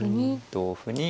同歩に。